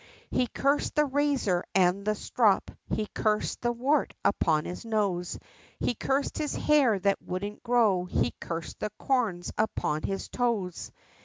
He cursed the razor and the strop, he cursed the wart upon his nose, He cursed his hair that wouldn't grow, he cursed the corns upon his toes.